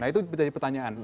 nah itu jadi pertanyaan